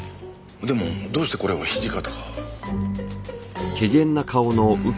でもどうしてこれを土方が？